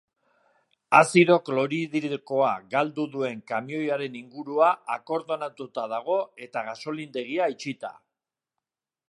Azido klorhidrikoa galdu duen kamioiaren ingurua akordonatuta dago eta gasolindegia itxita.